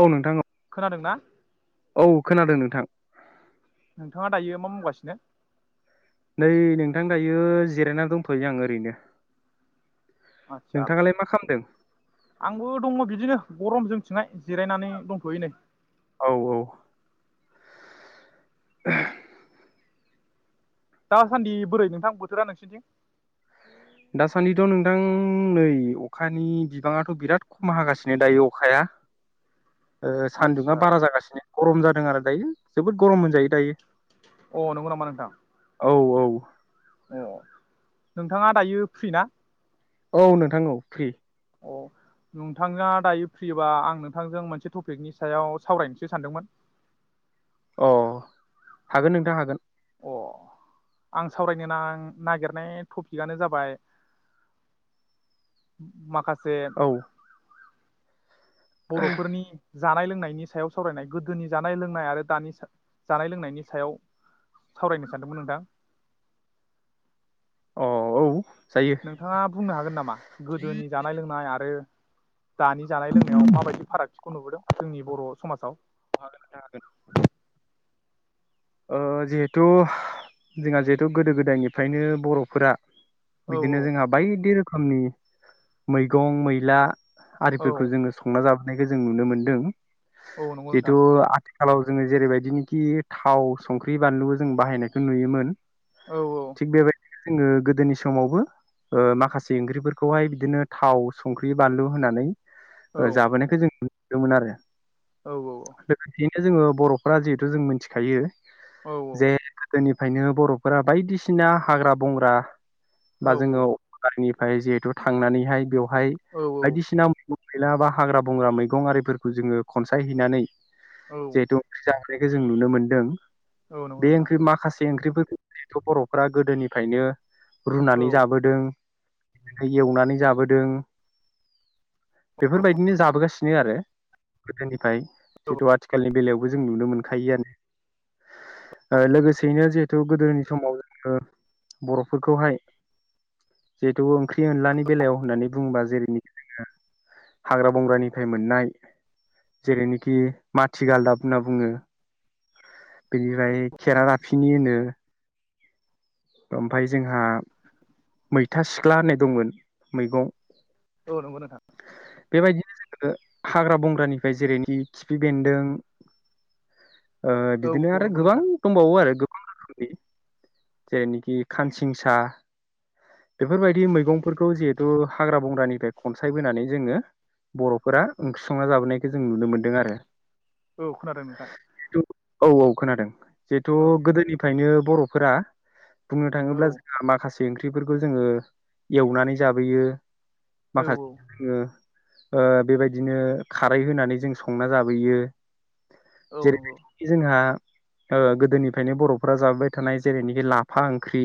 औ नोंथां औ। खोनादों ना? औ खोनादों नोंथां। नोंथाङा दायो मा मावगासिनो? नै नोंथां दायो जिरायनानै दंथ'यो आं ओरैनो। आस्सा नोंथाङालाय मा खालामदों आंबो दङ बिदिनो गरमजों जोंहानाय जिरायनानै दंथ'यो नै। औ औ। [unintelligible] दासान्दि बोरै नोंथां बोथोरा नोंसिरनिथिं? दासान्दिथ' नोंथां नै अखानि बिबाङाथ' बिराद खम हागासिनो दायो अखाया ओ सानदुङा आदसा बारा जागासिनो गरम जाद दों आरो दायो जोबोर गरम होनजायो। अ नंगौ नामा नोंथां? [unintelligible] अ नोंथाङा दायो फ्रि ना? औ नोंथां औ फ्रि। अ नोंथाङा दायो फ्रियोबा आं नोंथांजों मोनसे टपिकनि सायाव सावरायनोसो सानदोंमोन। अ हागोन नोंथां हागोन। अ आं सावरायनो ना नागिरनाय टपिकनो जाबाय माखासे से औ बर'फोरनि जानाय लोंनाय। नि सायाव सावरायनाय गोदोनि जानाय लोंनाय आरो दानि जानाय लोंनायनि सायाव सावरायनो सानदोंमोन नोंथां। अ औ जायो नोंथाङा बुंनो हागोन नामा गोदोनि जानाय लोंनाय [unintelligible] दानि जानाय लोंनायाव माबायदि फारागथिखौ नुबोदों जोंनि बर' समाजाव ओ जिहेथु जोंहा जिहेथु गोदो गोदायनिफ्रायनो बर'फोरा औ बिदिनो जोंहा बायदि रोखो खोमनि मैगं मैला औ आरिफोरखौ जोङो संना जाबो नायखौ जों नुनो मोन्दों। औ नंगौ नोंथां जिहेथु आ थिखालाव जोङो जेरैबायदिनोखि थाव संख्रि बानलु जों बाहायनायखौ नुयोमोन। औ औ। थिग बेबायदिनो जोङो गोदोनि समावबो ओ माखासे ओंख्रिफोरखौहाय बिदिनो थाव संख्रि बानलु होनानै ओ जाबोनायखौ जों नुदोंमोन आरो। औ औ औ। जे जोङो बर'फ्रा जिहेतु जों मोनथिखायो। औ जे गोदोनि फ्रायनो बर'फोरा बायदिसिना हाग्रा बंग्रा बा जोङो अरनबारिनि आमफ्राय जिहेतु थांनानैहाय बेयाव हाय बायदिसिना मैगं गैला बा हाग्रा बंग्रा मैगंआरिफोरखौ जोङो खनसायहैनानै औ जेहेथु ओंख्रि जा जानायखौ जों नुनो मोनदों। औ औ नंगौ बे नोंथां ओंख्रि माखासे बे ओंख्रिफरखौ [unintelligible] बर'फ्रा गोदोनिफ्रायनो औ रुनानै जाबोदों। बिदिनो एवनानै जाबोदों। बेफोरबायदिनो जाबोगासि नो आरो गोदोनिफ्राय जिहेथु आथिखालनि बेलायाव बो जों नुनो मोनखायोआनो। ओ लोगोसेयैनो जिहेथु गोदोनि समाव ओ बर'फोरखौहाय जिहेथु ओंख्रि ओंख्रि एनलानि बेलायाव होननानै बुंबा जेरैनिखि जोङो हाग्रा बंग्रानिफ्राय मोननाय जेरैनिखि माथि गालदाब होनना बुङो बिनिबाय खेरा खिनि होनो ओमफाय जोंहा मैथा सिख्ला होननाय दंमोन मैगं औ नंगौ नोंथां बेबायदिनो हाग्रा बंग्रानिफ्राय जेरैनि खिफि बेन्दों ओ औ बिदिनो औ आरो नंगौ गोबां नोंथां दंबावो आरो गोबां रोखोमनि जेरैनोखि खानसिंसा बेफोरबायदि मैगंफोरखौ जिहेथु हाग्रा बंग्रानिफ्राय खनसायबोनानै जोङो बर'फोरा ओंख्रिसंना जाबोनायखौ जों नुनो मोनदों आरो। औ खोनादों नोंथां औ औ खोनादों जेथ' औ गोदोनिफ्रायनो बर'फोरा बुंनो औ थाङोब्ला जोंहा माखासे ओंख्रिफोरखौ जोङो एवनानै जाबोयो औ माखासे जोङो ओ बेबायदिनो खारै होनानै जों संना जाबोयो औ नंगौ जेरैबादि जोंहा ओ गोदोनिफ्रायनो बर'फोरा जाबोबाय थानाय जेरैनिखि बे लाफा ओंख्रि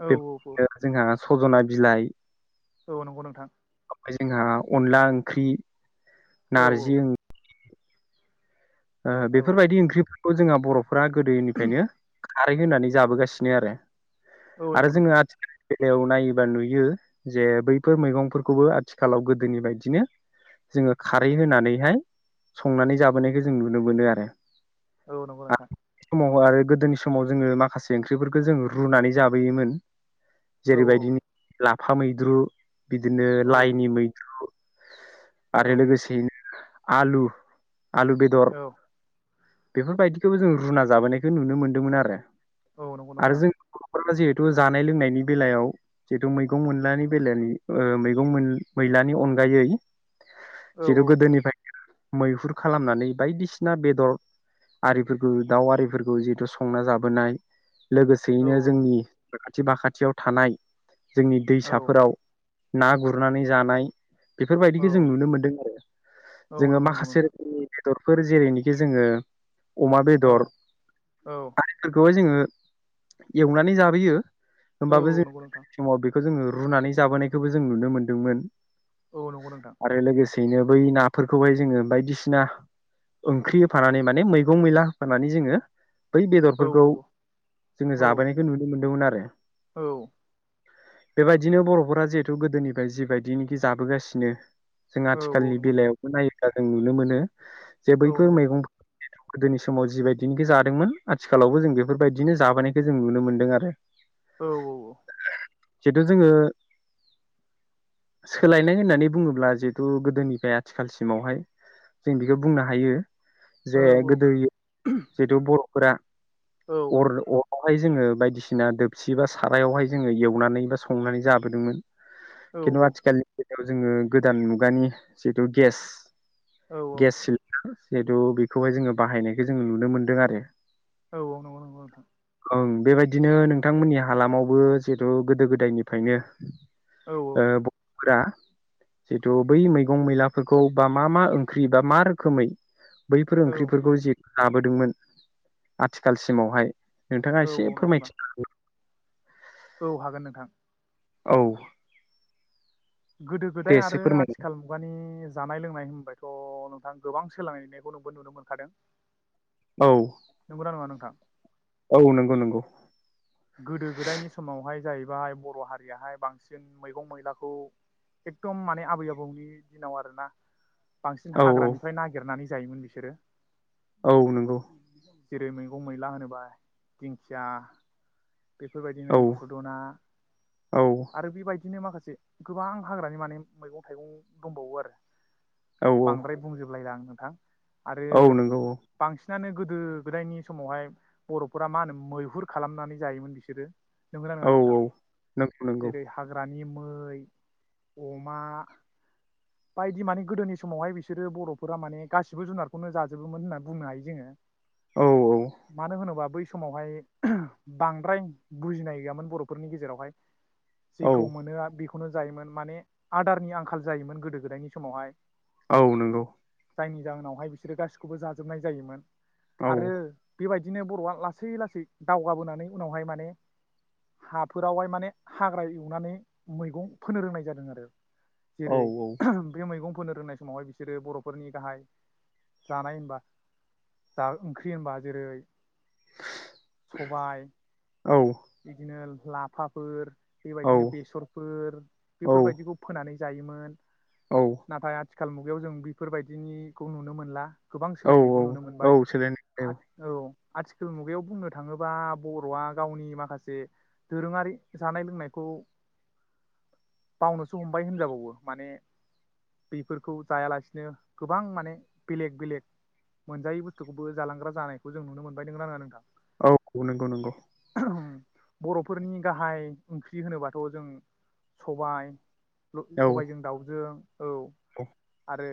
औ बे औ [unintelligible] जोंहा सजना बिलाइ औ नंगौ नोंथां ओमफ्राय जोंहा अनला ओंख्रि औ नारजि ओं ओ औ बेफोरबायदि ओंख्रि जोंहा बर' [unintelligible] गोदोनिफ्रायनो खारै होनानै जाबोगासिनो आरो। औ आरो नंगौ जोङो नोंथां आथिखाल बेलायाव नायोबा नुयो जे बैफोर मैगंफोरखौबो आथिखालाव गोदोनि बायदिनो जोङो खारै होनानैहाय संनानै जाबोनायखौ जों नुनो मोनो आरो। औ नंगौ नोंथां औ आरो गोदोनि समाव जोङो माखासे ओंख्रिफोरखौ जों रुनानै जाबोयोमोन। औ जेरैबायदि ला फा मैद्रु बिदिनो लाइनि मैद्रु औ आरो लोगोसेयैनो आलु आलु बेदर औ बेफोरबायदिखौबो जों रुना जाबोनायखौ नुनो मोन्दोंमोन आरो। औ नंगौ आरो नोंथां जोंनि बर'फोरा जि तु जानाय लोंनायनि बेलायाव जिहेतु मैगं मोनलानि बेलानि ओ मैगं मैलानि अनगायै औ जितु औ गोदनिफ्राय मैहुर खालामनानै बायदिसिना बेदर आरिफोरखौ दाउ आरिफोरखौ जिहेतु संना जाबोनाय औ लोगोसेयैनो जोंनि साखाथि बाखाथियाव थानाय जोंनि औ दैसाफोराव ना गुरनानै जानाय। बेफोरबायदिखौ जों औ नुनो मोनदों आरो औ जोङो नंगौ नंगौ माखासे नोंथां रोखोमनि दरफोर जेरैनोखि जोङो अमा औ बेदर औ [unintelligible] खौहाय जोङो एवनानै जाबोयो। औ नंगौ नोंथां। खो जोङो रुनानै जाबोनायखौबो जों नुनो मोन्दोंमोन। औ नंगौ नोंथां आरो लोगोसे बेनो बै नाफोरखौहाय जोङो बायदिसिना ओंख्रि होफानानै माने मैगं मैला होफानानै जोङो बै औ बेदरफोरखौ जोङो औ जाबोनायखौ नुनो मोनदोंमोन आरो। [unintelligible] औ बेबायदिनो बर'फोरा जिहेथु गोदोनिफ्राय जिबायदिनोखि जाबोगासिनो जों औ आथिखालनि नंगौ नोंथां बेलायावबो नायोब्ला जों नुनो मोनो। जे औ बैफोर नंगौ नोंथां मैगं जितु गोदोनि समाव जिबायदिनोखि जादोंमोन आथिखालावबो जों बेफोरबायदिनो जाबोनायखौ जों नुनो मोनदों आरो। औ औ औ जिहेतु जोङो सोलायनाय होननानै बुङोब्ला जिहेथु गोदोनिफ्राय आथिखालसिमावहाय जों बेखौ बुंनो हायो औ जे गोदोयो जेथु बर' [unintelligible] अर [unintelligible] [unintelligible] जोङो बायदिसिना दोबसि बा सारायावहाय जोङो एवनानै बा संनानै जाबोदोंमोन। खिन्थु आथिखालनि बेयाव जोङो गोदान मुगानि जितु गेस औ गेस सिलिनदार [unintelligible] खौहाय जोङो बाहायनायखौ जोङो नुनो मोन्दों आरो औ औ नंगौ नंगौ नोंथां ओं बेबायदिनो नोंथांमोननि हालामावबो जिहेतु गोदो गोदायनिफायनो औ औ [unintelligible] जिथु बै मैगं मैलाफोरखौ बा मा मा ओंख्रि बा मा रोखोमै बैफोर ओंख्रिफोरखौ जि जाबोदोंमोन आथिखालसिमावहाय नोंथाङा औ एसे नंगौ नोंथां फोरमायथिनो हागोनना? औ हागोन नोंथां औ गोदो दे गोदाय एसे आरो फोरमायदो आथिखाल मुगानि जानाय लोंनाय होनबायथ' नोंथां गोबां सोलायनायखौ नोंबो नुनो मोनखादों। औ नंगौ ना नङा नोंथा औ नंगौ नंगौ गोदो गोदायनि समावहाय जाहैबाय बर' हारियाहाय बांसिन मैगं मैलाखौ एकदम माने आबै आबौनि दिनाव आरोना बांसिन औ औ हाग्रानिफ्राय नागिरनानै जायोमोन बिसोरो। औ नंगौ जेरै मैगं मैला होनोबा दिंखिया बेफोरबायदिनो औ खुदुना औ आरो बेबायदिनो माखासे से गोबां हाग्रानि माने मैगं थाइगं दंबावो आरो औ बांद्राय बुंजोबलायला आं नोंथां आरो औ नंगौ बांसि सिनानो गोदो गोदायनि समावहाय बर'फोरा मा होनो मैहुर खालामनानै जायोमोन बिसोरो। नोंगौना नङा औ नोंथां औ नंगौ नंगौ जेरै हाग्रानि मै अमा बायदि माने गोदोनि समावहाय बिसोरो बर'फोरा माने गासिबो जुनारखौनो जाजोबोमोन होननानै बुंनो हायो जोङो। औ मानो होनोबा बै समावहाय बांद्राय बुजिनाय गैयामोन बर'फोरनि गेजेरावहाय औ जेखौ मोनो बे खौनो जायोमोन माने आदारनि आंखाल जायोमोन गोदो गोदायनि समावहाय औ नंगौ जायनि जाहोनावहाय बिसोरो गासिखौबो जाजोबनाय जायोमोन औ आरो बेबायदि बिदिनो बर'आ लासै लासै दावगाबोनानै उनावहाय माने हाफोरावहाय माने हाग्रा एवनानै मैगं फोनो रोंनाय जादों आरो। औ जेरै बे मैगं फोनो रोंनाय समावहाय बिसोरो बर'फोरनि गाहाइ जानाय होनबा ओंख्रि होनबा जेरै सबाय औ बिदिनो लाफाफोर औ बेबायदिनो बेसरफोर औ बेफोरबायदिखौ फोनानै जायोमोन औ नाथाय आ थिखाल मुगायाव जों बेफोरबायदिनिखौ नुनो मोनला गोबां सोलायनायखौ औ नुनो औ मोनबाय सोलायनाय आरो औ आथिखाल मुगायाव बुंनो थाङोब्ला बर'आ गावनि माखासे माखासे दोरोङारि जानाय लोंनायखौ बावनोसो हमबाय होनजाबावो माने बेफोरखौ जायालासिनो गोबां माने बेलेग बेलेग मोनजायै बुस्थुखौबो जालांग्रा जानायखौ जों नुनो मोनबाय नंगोना नंङा नोंथां। औ औ नंगौ नंगौ बर'फोरनि गाहाइ ओंख्रि होनोबाथ' जों सबाय औ सबायजों दाउजों औ औ आरो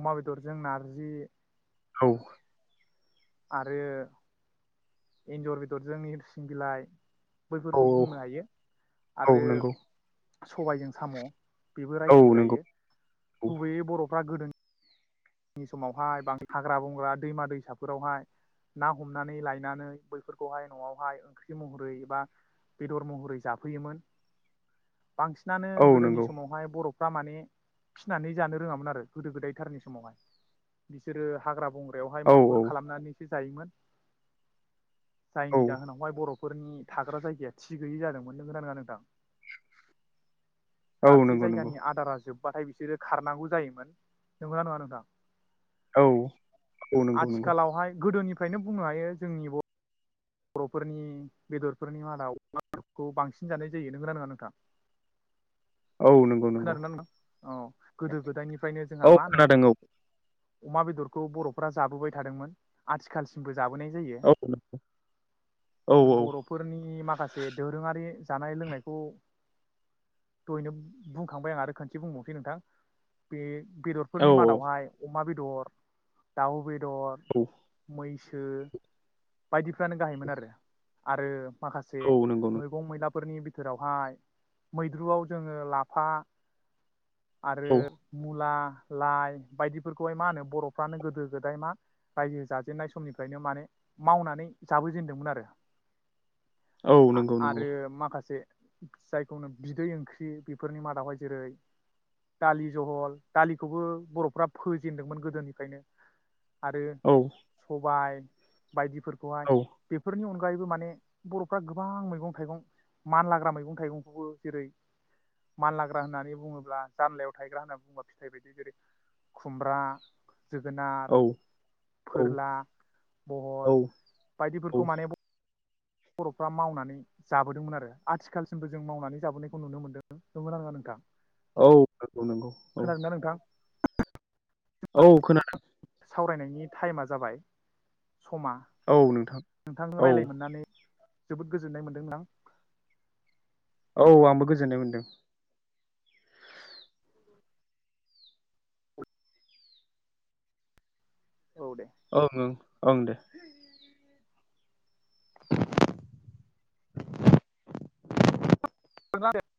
अमा बेदरजों नारजि औ आरो एन्जर बेदरजों निरसिं बिलाइ। औ बैफोरखौ बुंनो हायो औ आरो नंगौ सबायजों साम' बेबो औ नंगौ रायखांजायो औ गुबैयै बर' बा गोदोनि समावहाय बांन हाग्रा बंग्रा दैमा दैसाफोरावहाय ना हमनानै लायनानै बैफोरखौहाय न'आवहाय ओंख्रि महरै एबा बेदर महरै जाफैयोमोन। बांसिनानो औ गोदोनि नंगौ समावहाय बर' फ्रा माने फिनानै जानो रोङामोन आरो गोदो गोदाय थारनि समावहाय। बिसोरो हाग्रा बं ग्रायावहाय औ मैहुर खालामनानैसो थायोमोन। औ जायनि जाहोनाव हाय बर' फोरनि थाग्रा जायगाया थि गैयि जादोंमोन नोंगोना नोंङा नोंथां? औ दाबसे नंगौ नंगौ जायगानि आदारा जोब बाथाय बिसोरो खारनांगौ जायोमोन नंगौना नङा नोंथां? औ औ नंगौ नंगौ आथिखालावहाय गोदोनि फ्रायनो बुंनो हायो जोंनि ब बर'फोरनि बेदरफोरनि मादाव अमाफोरखौ बांसिन जानाय जायो नोंगोना नोङा नोंथां? औ नंगौ नंगौ खोनादोंना नोंथां औ गोदो गोदायनिफ्रायनो जोंहा औ मा होनो खोनादों अमा बेदरखौ बर'फोरा जाबोबाय थादोंमोन आथिखालसिमबो जाबोनाय जायो औ औ बरफोरनि माखासे दोरोङारि जानाय लोंनायखौ दहयनो बुंखांबाय आं आरो खोनसे बुंबावनोसै नोंथां बे औ बेदरफोरनि मादावहाय अमा बेद दर दाव बे दर औ मै सो बायदिफ्रानो गाहायमोन आरो आरो माखासे औ नंगौ नंगौ मैगं मैला फोरनि बिथोरावहाय मैद्रुयाव जोङो ला फा औ आरो मुला लाइ बायदिफोरखौहाय मा होनो बर'फ्रानो गोदो गोदाय मा रायजो जाजेननाय समनिफ्रायनो माने मावनानै जाबोजेनदोंमोन आरो। औ नंगौ नंगौ आरो माखासे जायखौ होनो बिदै ओंख्रि। फोरनि मादावहाय जेरै दालि जहल दालिखौबो बर'फ्रा फोजेनदोंमोन गोदोनिफ्रायनो। आरो औ सबाय बायदिफोरखौहाय औ बेफोरनि अन गायैबो माने बरफ्रा गोबां मैगं थाइगं मानलाग्रा मैगं थाइगंखौबो जेरै मानलाग्रा होननानै बुङोब्ला जानलायाव थायग्रा होननानै बुङोबा फिथाइ बायदि जेरै खुमब्रा जोगोनार औ औ फोरला बहल बायदिफोरखौ माने ब बर'फ्रा मावनानै जाबोदोंमोन आरो आथिखालसिमबो जों मावनानै जाबोनायखौ नुनो मोनदों नंगौना नोङा नोंथां? औ नंगौ नंगौ औ। खोनादोंना नोंथां औ खोनादों। सावरायनायनि टाइमा जाबाय। औ नोंथां। नोंथां औ रायलायनो मोननानै जोबोद गोजोननाय मोनदों नोंथां। औ आंबो गोजोननाय मोनदों। औ ओं ओं ओं दे। [unintelligible]